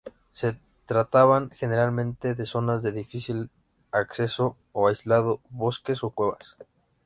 Se trataban generalmente de zonas de difícil acceso o aislados, bosques o cuevas.